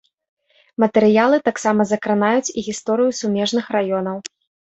Матэрыялы таксама закранаюць і гісторыю сумежных раёнаў.